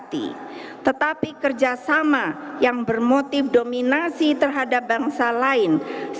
tetapi kerjasama yang bermotif dominasi terhadap bangsa lain